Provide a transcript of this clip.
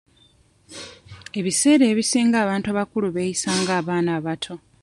Ebiseera ebisinga abantu abakulu beeyisa nga abaana abato.